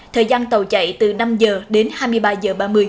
thời gian tàu chạy từ năm giờ đến hai mươi ba giờ ba mươi